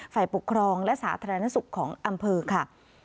ฝ่ายปกครองและสาธารณสุขของอำเภอค่ะ